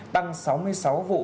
tăng sáu mươi sáu vụ